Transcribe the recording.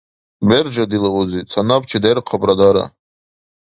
Бержа, дила узи, ца набчи дерхъабра дара!